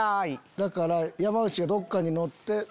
山内がどっかに乗って。